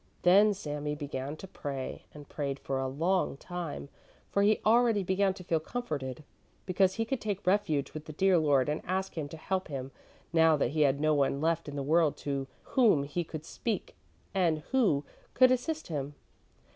Then Sami began to pray and prayed for a long time, for he already began to feel comforted, because he could take refuge with the dear Lord and ask Him to help him, now that he had no one left in the world to whom he could speak and who could assist him.